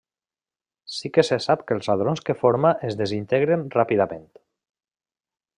Sí que se sap que els hadrons que forma es desintegren ràpidament.